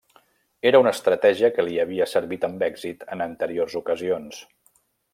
Era una estratègia que li havia servit amb èxit en anteriors ocasions.